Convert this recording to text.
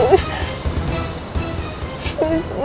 kita berhenti dulu sayang